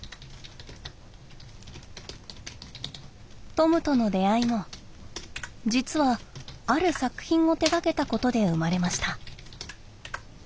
トムとの出会いも実はある作品を手がけたことで生まれました。